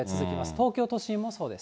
東京都心もそうです。